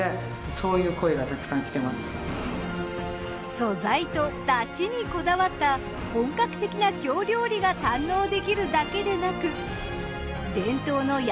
素材と出汁にこだわった本格的な京料理が堪能できるだけでなく伝統の山